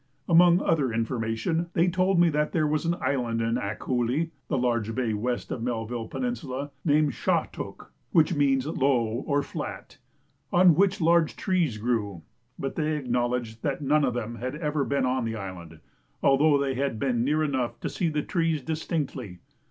Among other information they told me that there was an island in Akkoolee (the large bay west of Melville Peninsula,) named Sha took, (which means low or flat,) on which large trees grew; but they acknowledged that none of them had ever been on the island, although they had been near enough to see the trees distinctly.